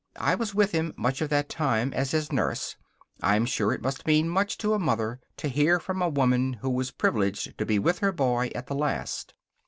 I was with him much of that time as his nurse. I'm sure it must mean much to a mother to hear from a woman who was privileged to be with her boy at the last.